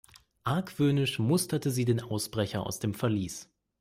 Argwöhnisch musterte sie den Ausbrecher aus dem Verlies.